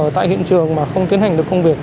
tại hiện trường mà không tiến hành được công việc